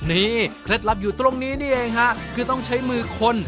นี่เคล็ดลับอยู่ตรงนี้นี่เองฮะคือต้องใช้มือคน